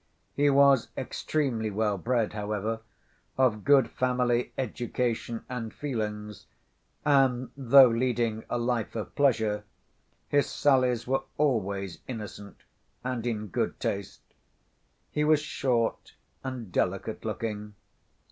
He was extremely well‐bred, however, of good family, education and feelings, and, though leading a life of pleasure, his sallies were always innocent and in good taste. He was short, and delicate‐looking.